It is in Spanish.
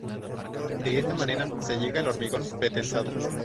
De esta manera se llega al hormigón pretensado.